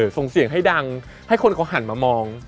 ส่งเสียงให้ดังให้คนเขาหันมามอง